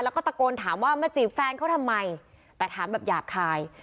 แล้วก็ตะโกนถามว่ามาจีบแฟนเขาทำไมแต่ถามแบบหยาบคาย